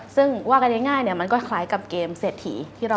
ซึ่งว่ากันง่ายเนี่ยมันก็คล้ายกับเกมเศรษฐีที่เรา